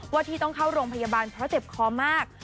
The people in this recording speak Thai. ที่ต้องเข้าโรงพยาบาลเพราะเจ็บคอมาก